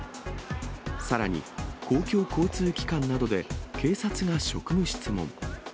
さらに、公共交通機関などで警察が職務質問。